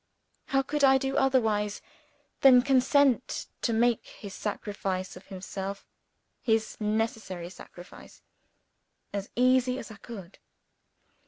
How could I do otherwise than consent to make his sacrifice of himself his necessary sacrifice as easy as I could?